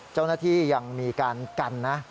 เจ้าหน้าที่ยังมีการกันนะ